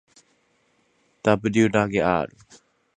ｗ らげ ｒ